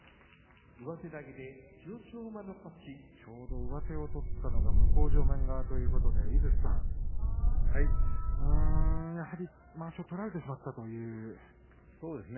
ちょうど上手を取ったのが向正面側ということで井筒さんやはりまわしを取られてしまったということですね。